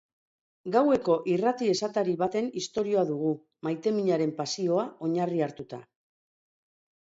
Gaueko irrati esatari baten istorioa dugu, maiteminaren pasioa oinarri hartuta.